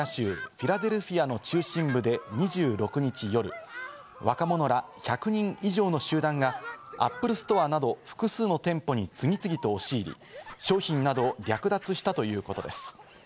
フィラデルフィアの中心部で２６日夜、若者ら１００人以上の集団がＡｐｐｌｅＳｔｏｒｅなど複数の店舗に次々と押し入り、商品などを略奪したということです。